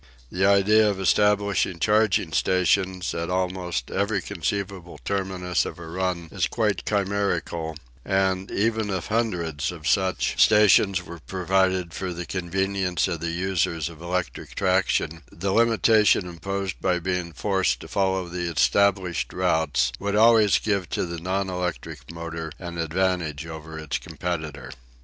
The idea of establishing charging stations at almost every conceivable terminus of a run is quite chimerical; and, even if hundreds of such stations were provided for the convenience of the users of electric traction, the limitation imposed by being forced to follow the established routes would always give to the non electric motor an advantage over its competitor.